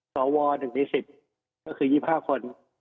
สว๑ใน๑๐ก็คือ๒๕คน